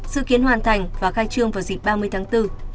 dự kiến hoàn thành và khai trương vào dịp ba mươi tháng bốn